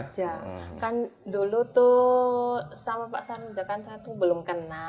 iya kan dulu tuh sama pak sani jaya kan saya tuh belum kenal